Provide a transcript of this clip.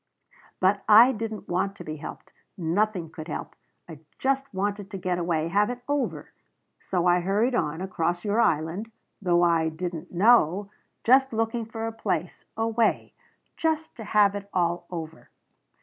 "But I didn't want to be helped. Nothing could help. I just wanted to get away have it over. So I hurried on across your Island though I didn't know just looking for a place a way. Just to have it all over."